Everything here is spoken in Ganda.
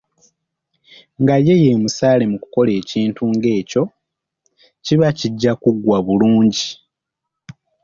Nga ye ye musaale mukukola ekintu ng'ekyo, kiba kijja kuggwa bulungi.